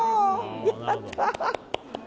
やった！